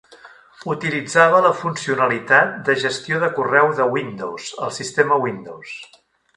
Utilitzava la funcionalitat de "Gestió de correu de Windows" al sistema Windows.